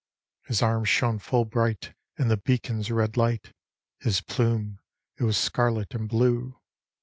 —" His arms shone full brigjit, in the beacon's red light, His plume, it was scarlet and blue.